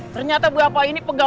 ternyata bapak ini pegangnya